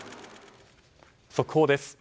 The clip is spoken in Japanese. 速報です。